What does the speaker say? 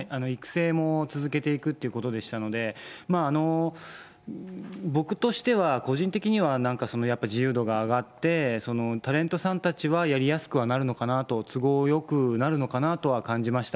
育成も続けていくってことですので、僕としては、個人的にはなんか自由度が上がって、タレントさんたちはやりやすくはなるのかなと、都合よくなるのかなとは感じました。